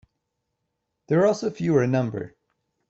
They were also fewer in number.